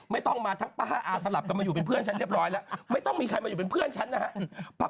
ไม่ต้องมีใครมาอยู่เป็นเพื่อนฉันนะฮะ